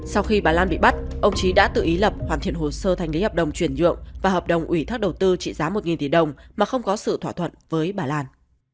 sau khi bà lan bị bắt ông trí đã tự ý lập hoàn thiện hồ sơ thành lý hợp đồng chuyển nhượng và hợp đồng ủy thác đầu tư trị giá một tỷ đồng mà không có sự thỏa thuận với bà lan